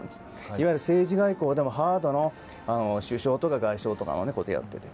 いわゆる政治・外交でもハードの首相や外相のことをやってて。